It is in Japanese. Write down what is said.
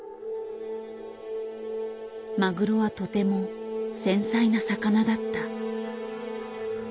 マグロはとても繊細な魚だった。